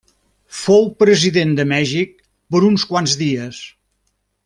Fou president de Mèxic per uns quants dies.